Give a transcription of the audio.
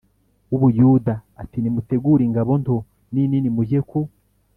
w u Buyuda ati nimutegure ingabo nto n inini mujye ku